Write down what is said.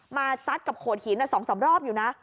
ซัดกับโขดหิน๒๓รอบอยู่นะ